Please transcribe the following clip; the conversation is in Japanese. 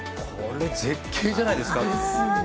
これ、絶景じゃないですか。